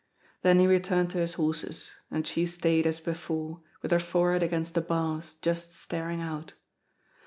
Then he returned to his horses, and she stayed as before, with her forehead against the bars, just staring out.